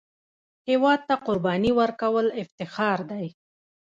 هېواد ته قرباني ورکول افتخار دی